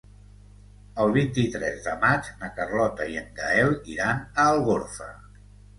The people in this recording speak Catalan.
El vint-i-tres de maig na Carlota i en Gaël iran a Algorfa.